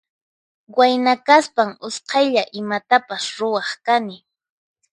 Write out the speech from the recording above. Wayna kaspan usqaylla imatapas ruwaq kani.